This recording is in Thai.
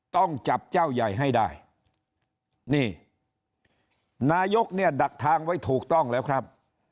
ต้องจับเจ้าใหญ่ให้ได้นี่นายกเนี่ยดักทางไว้ถูกต้องแล้วครับ